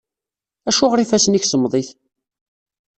Acuɣer ifassen-ik semmḍit?